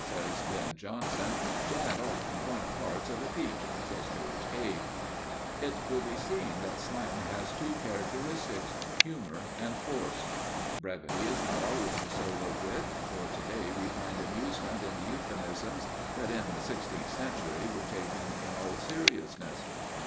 says Ben Jonson; "she had all the component parts of a peach," says George Ade. It will be seen that slang has two characteristics humour and force. Brevity is not always the soul of wit, for today we find amusement in the euphuisms that, in the sixteenth century were taken in all seriousness.